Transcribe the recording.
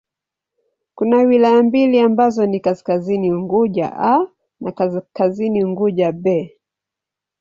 Kuna wilaya mbili ambazo ni Kaskazini Unguja 'A' na Kaskazini Unguja 'B'.